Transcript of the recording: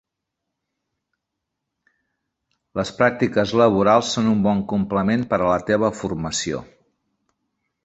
Les pràctiques laborals són un bon complement per a la teva formació.